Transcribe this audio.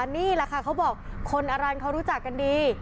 นี่แหละค่ะเขาบอกคนอรันเขารู้จักกันดี